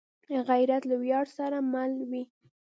غیرت له ویاړ سره مل وي